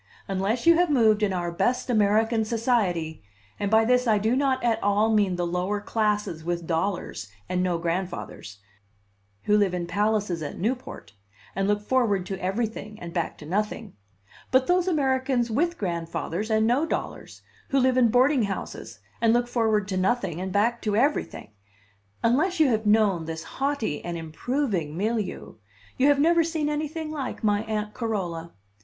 Unless you have moved in our best American society (and by this I do not at all mean the lower classes with dollars and no grandfathers, who live in palaces at Newport, and look forward to every thing and back to nothing, but those Americans with grandfathers and no dollars, who live in boarding houses, and look forward to nothing and back to everything) unless you have known this haughty and improving milieu, you have never seen anything like my Aunt Carola.